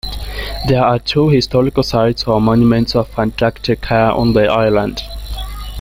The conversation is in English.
There are two Historic Sites or Monuments of Antarctica on the island.